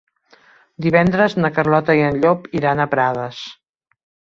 Divendres na Carlota i en Llop iran a Prades.